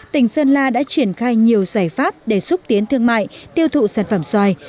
tỉnh sơn la đã triển khai nhiều giải pháp để xúc tiến thương mại tiêu thụ sản phẩm xoài